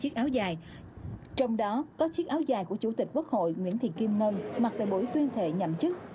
trong đó có chiếc áo dài của chủ tịch quốc hội nguyễn thị kim ngân mặc tại buổi tuyên thệ nhậm chức